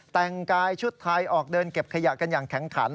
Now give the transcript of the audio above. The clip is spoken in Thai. แต่งกายชุดไทยออกเดินเก็บขยะกันอย่างแข็งขัน